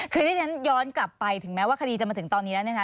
คือที่ฉันย้อนกลับไปถึงแม้ว่าคดีจะมาถึงตอนนี้แล้วเนี่ยนะคะ